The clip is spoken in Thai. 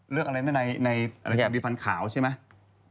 เรื่องอะไรในในอะไรอย่างนี้ฟันขาวใช่ไหม